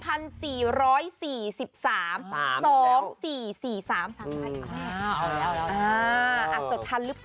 อ้าวเอาแล้ว